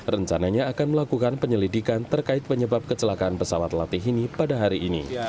rencananya akan melakukan penyelidikan terkait penyebab kecelakaan pesawat latih ini pada hari ini